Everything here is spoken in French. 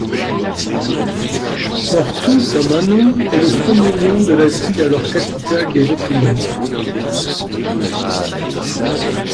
Portus Amanum est le premier nom de la ville alors capitale des Autrigons.